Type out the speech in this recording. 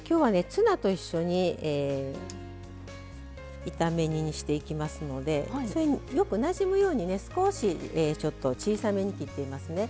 ツナと一緒に炒め煮にしていきますのでそれによくなじむように少しちょっと小さめに切っていますね。